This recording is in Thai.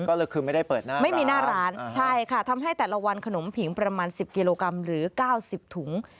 ก็คือไม่ได้เปิดหน้าไม่มีหน้าร้านใช่ค่ะทำให้แต่ละวันขนมผิงประมาณ๑๐กิโลกรัมหรือ๙๐ถุง